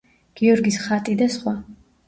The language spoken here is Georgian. გიორგის ხატი და სხვა.